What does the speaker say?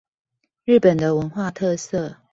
日本的文化特色